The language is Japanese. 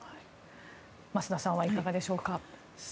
増田さんはいかがでしょうか。